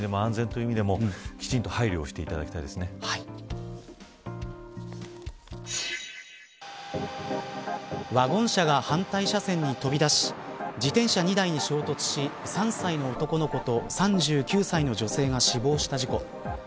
信仰の対象という意味でも安全という意味でもワゴン車が反対車線に飛び出し自転車２台に衝突し３歳の男の子と３９歳の女性が死亡した事故。